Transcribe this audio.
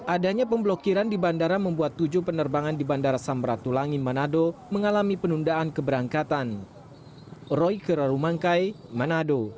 adanya pemblokiran di bandara membuat tujuh penerbangan di bandara samratulangi manado mengalami penundaan keberangkatan